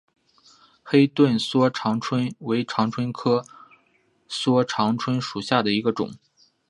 黑盾梭长蝽为长蝽科梭长蝽属下的一个种。